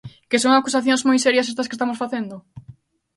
¿Que son acusacións moi serias estas que estamos facendo?